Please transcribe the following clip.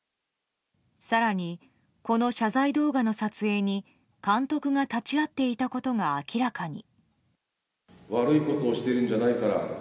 更に、この謝罪動画の撮影に監督が立ち会っていたことが明らかに。